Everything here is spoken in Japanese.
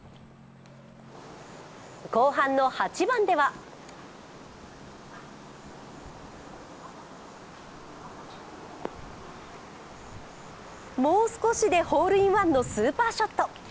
後半の８番ではもう少しでホールインワンのスーパーショット。